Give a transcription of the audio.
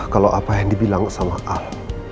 kalau apa yang dibilang sama a